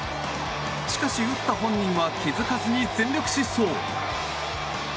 しかし、打った本人は気づかずに全力疾走。